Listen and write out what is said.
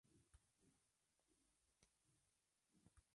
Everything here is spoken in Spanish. Versión de servidor Linux para profesionales de tecnologías de información.